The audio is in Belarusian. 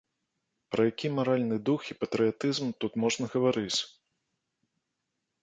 Пра які маральны дух і патрыятызм тут можна гаварыць?